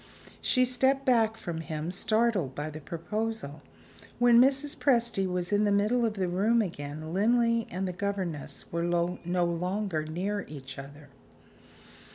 She stepped back from him, startled by the proposal. When Mrs. Presty was in the middle of the room again, Linley and the governess were no longer near each other.